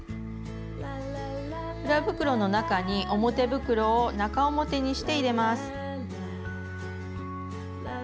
裏袋の中に表袋を中表にして入れます。